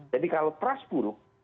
jadi kalau trust buruk